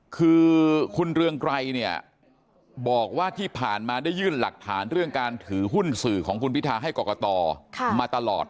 คือคุณเรืองไกรเนี่ยบอกว่าที่ผ่านมาได้ยื่นหลักฐานเรื่องการถือหุ้นสื่อของคุณพิทาให้กรกตมาตลอด